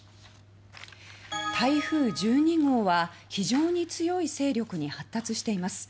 台風１２号は非常に強い勢力に発達しています。